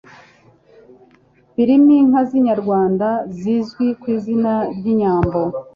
birimo inka z'inyarwanda zizwi ku izina ry'“Inyambo”.